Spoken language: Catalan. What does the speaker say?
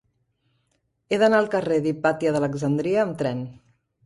He d'anar al carrer d'Hipàtia d'Alexandria amb tren.